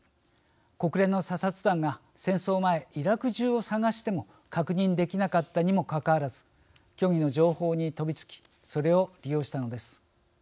国連の査察団が戦争前、イラク中を探しても確認できなかったにもかかわらず虚偽の情報に飛びつきそれを利用したのです。